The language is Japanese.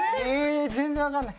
全然わかんない。